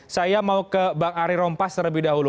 saya mau ke bang ari rompas terlebih dahulu